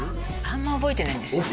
あんま覚えてないんですよ